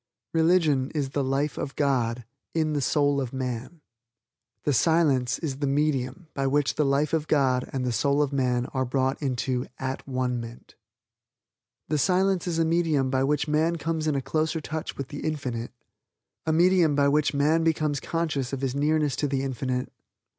Religion is the life of God in the soul of Man. The Silence is the medium by which the life of God and the soul of man are brought into At one ment. The Silence is a medium by which man comes in a closer touch with the Infinite; a medium by which man becomes conscious of his nearness to the Infinite.